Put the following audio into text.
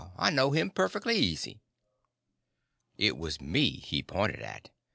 I know him perfectly easy." It was me he pointed at.